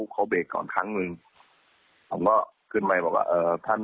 เขาเบรกก่อนครั้งหนึ่งผมก็ขึ้นมาบอกว่า